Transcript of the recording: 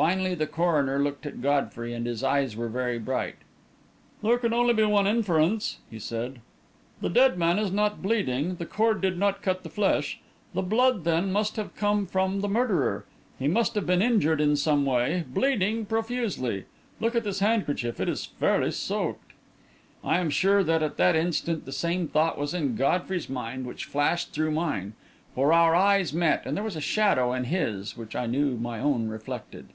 Finally the coroner looked at Godfrey, and his eyes were very bright. "There can be only one inference," he said. "The dead man is not bleeding the cord did not cut the flesh. The blood, then, must have come from the murderer. He must have been injured in some way bleeding profusely. Look at this handkerchief it is fairly soaked." I am sure that, at that instant, the same thought was in Godfrey's mind which flashed through mine, for our eyes met, and there was a shadow in his which I knew my own reflected.